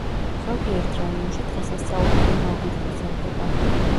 ზოგიერთ რაიონში დღესასწაული კვირაობით გრძელდება.